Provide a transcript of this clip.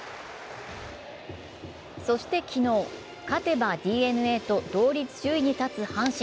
そして昨日、勝てばＤｅＮＡと同率首位に立つ阪神。